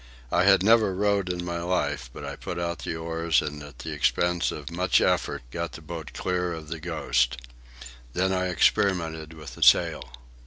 I had never rowed in my life, but I put out the oars and at the expense of much effort got the boat clear of the Ghost. Then I experimented with the sail.